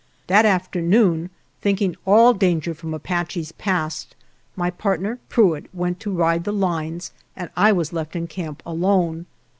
That afternoon, thinking all danger from Apaches past, my partner, Prewitt, went to ride the lines and I was left in camp alone.